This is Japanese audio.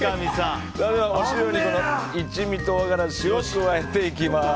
お塩に一味唐辛子を加えていきます。